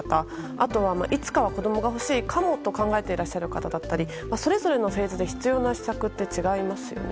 あとはいつかは子供が欲しいかもと考えていらっしゃる方だったりそれぞれのフェーズで必要な施策って違いますよね。